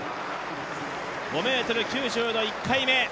５ｍ９０の１回目。